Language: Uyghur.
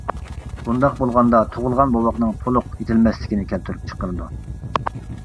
بۇنداق بولغاندا تۇغۇلغان بوۋاقنىڭ تولۇق يېتىلمەسلىكىنى كەلتۈرۈپ چىقىرىدۇ.